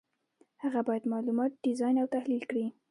هغه باید معلومات ډیزاین او تحلیل کړي.